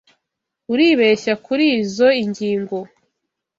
Uribeshya kurizoi ngingo.